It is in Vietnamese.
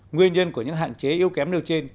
nguyên nhân của những hạn chế yếu kém nêu trên